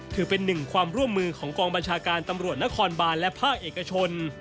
ถือเป็นหนึ่งความร่วมมือของกองบัญชาการตำรวจนครบานและภาคเอกชน